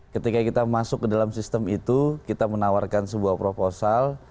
ketika kita masuk ke dalam sistem itu kita menawarkan sebuah proposal